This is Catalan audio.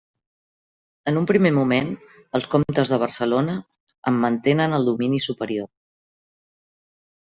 En un primer moment, els comtes de Barcelona en mantenen el domini superior.